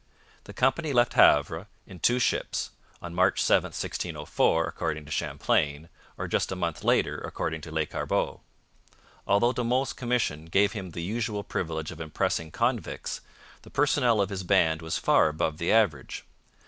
The company left Havre in two ships on March 7, 1604, according to Champlain, or just a month later, according to Lescarbot. Although De Monts' commission gave him the usual privilege of impressing convicts, the personnel of his band was far above the average.